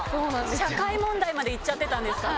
社会問題まで行っちゃってたんですか？